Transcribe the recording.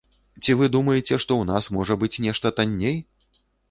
Ці вы думаеце, што ў нас можа быць нешта танней?